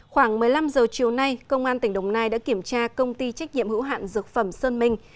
khoảng một mươi năm giờ chiều nay công an tỉnh đồng nai đã kiểm tra công ty trách nhiệm hữu hạn dược phẩm sơn minh